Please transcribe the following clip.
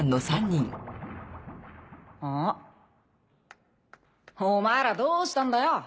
あん？お前らどうしたんだよ？